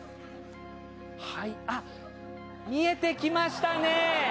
あっ、見えてきましたね。